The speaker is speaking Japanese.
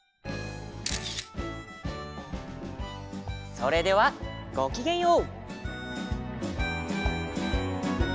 それではごきげんよう！